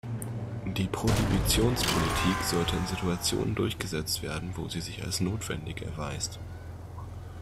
Die Prohibitionspolitik sollte in Situationen durchgesetzt werden, wo sie sich als notwendig erweist.